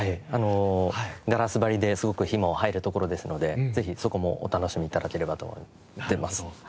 ガラス張りですごく日も入る所ですのでぜひそこもお楽しみ頂ければと思ってます。